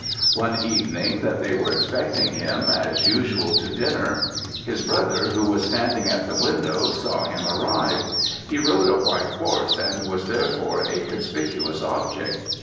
One evening that they were expecting him, as usual, to dinner, his brother, who was standing at the window, saw him arrive; he rode a white horse, and was therefore a conspicuous object.